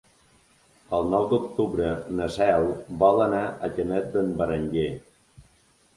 El nou d'octubre na Cel vol anar a Canet d'en Berenguer.